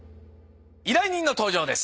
依頼人の登場です！